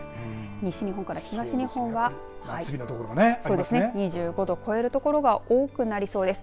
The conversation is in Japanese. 西日本から東日本は２５度を超える所が多くなりそうです。